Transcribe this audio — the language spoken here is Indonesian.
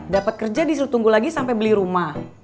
dapet kerja disuruh tunggu lagi sampe beli rumah